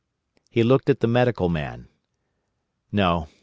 He looked at the Medical Man. "No.